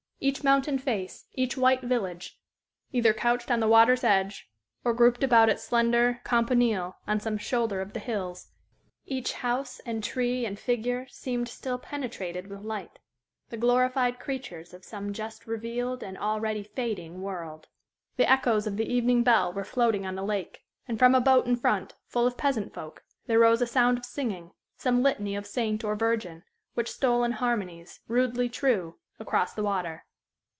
Each mountain face, each white village, either couched on the water's edge or grouped about its slender campanile on some shoulder of the hills, each house and tree and figure seemed still penetrated with light, the glorified creatures of some just revealed and already fading world. The echoes of the evening bell were floating on the lake, and from a boat in front, full of peasant folk, there rose a sound of singing, some litany of saint or virgin, which stole in harmonies, rudely true, across the water.